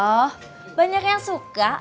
oh banyak yang suka